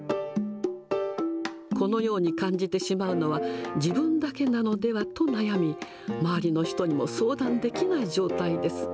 このように感じてしまうのは、自分だけなのではと悩み、周りの人にも相談できない状態です。